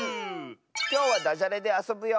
きょうはだじゃれであそぶよ。